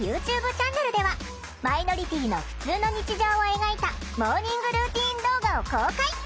チャンネルではマイノリティーのふつうの日常を描いたモーニングルーティン動画を公開！